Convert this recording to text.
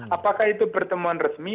apakah itu pertemuan resmi